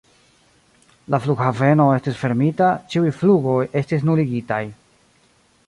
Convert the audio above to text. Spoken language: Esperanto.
La flughaveno estis fermita, ĉiuj flugoj estis nuligitaj.